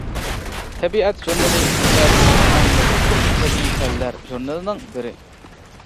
«تەبىئەت ژۇرنىلى» دۇنيادىكى ئەڭ نوپۇزلۇق تەبىئىي پەنلەر ژۇرنىلىنىڭ بىرى.